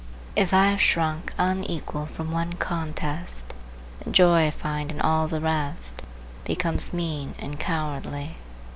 If I have shrunk unequal from one contest, the joy I find in all the rest becomes mean and cowardly.